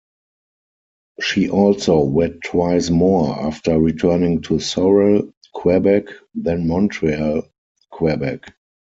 She also wed twice more after returning to Sorel, Quebec, then Montreal, Quebec.